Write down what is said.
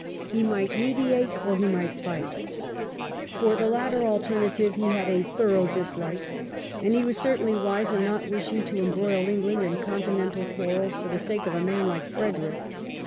He might meditate or he might fight. For the latter alternative he had a thorough dis Mediation or like, and he was certainly wise in not wishing ^^r? to embroil England in continental quarrels for the sake of a man like Frederick.